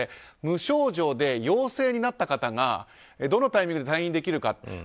無症状で陽性になった方がどのタイミングで退院できるか。